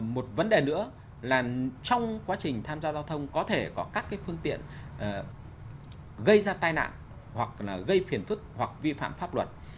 một vấn đề nữa là trong quá trình tham gia giao thông có thể có các phương tiện gây ra tai nạn hoặc là gây phiền phức hoặc vi phạm pháp luật